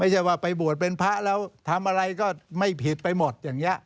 ว่าไปบวชเป็นพระแล้วทำอะไรก็ไม่ผิดไปหมดอย่างนี้